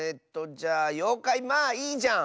じゃあ「ようかいまあいいじゃん」！